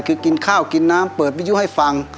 คือกินข้าวกินน้ำเปิดวิยุให้ฟัง